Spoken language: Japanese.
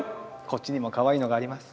こっちにもかわいいのがあります。